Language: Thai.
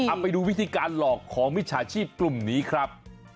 เอาไปดูวิธีการหลอกของมิจฉาชีพกลุ่มนี้ครับ